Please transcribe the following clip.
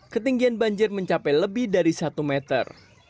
ketinggian banjir mencapai lebih dari satu meter